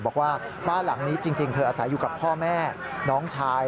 บอกว่าบ้านหลังนี้จริงเธออาศัยอยู่กับพ่อแม่น้องชาย